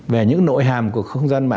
về những nội hàm của không gian mạng